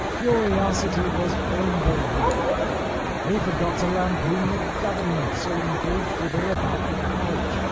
Curiosity was on the rack; they forgot to lampoon the government, so engaged were they about the fudge.